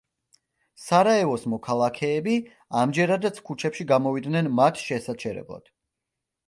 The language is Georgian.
სარაევოს მოქალაქეები ამჯერადაც ქუჩებში გამოვიდნენ მათ შესაჩერებლად.